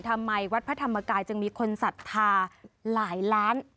ทำไมวัดพระธรรมกายจึงมีคนศัฒราหลายล้าน